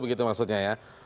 begitu maksudnya ya